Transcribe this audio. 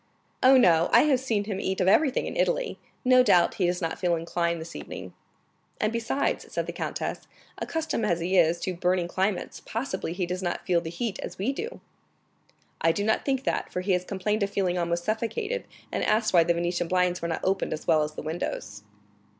"Oh, no; I have seen him eat of everything in Italy; no doubt he does not feel inclined this evening." "And besides," said the countess, "accustomed as he is to burning climates, possibly he does not feel the heat as we do." "I do not think that, for he has complained of feeling almost suffocated, and asked why the Venetian blinds were not opened as well as the windows."